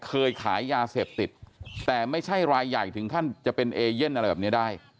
เคยขายยาเสพติดแต่ไม่ใช่รายใหญ่ถึงขั้นจะเป็นเอเย่นอะไรแบบนี้ได้